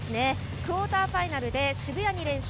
クオーターファイナルで渋谷に連勝。